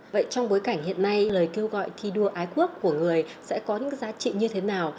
vậy trong bối cảnh hiện nay lời kêu gọi thi đua ái quốc của người sẽ có những giá trị như thế nào